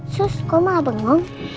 sus kok malah bengong